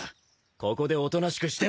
ここでおとなしくしてな。